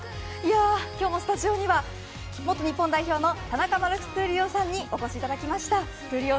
今日もスタジオには元日本代表の田中マルクス闘莉王さんにお越しいただきました。